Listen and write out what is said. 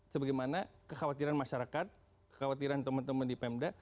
sebagai mana kekhawatiran masyarakat kekhawatiran teman teman di pemda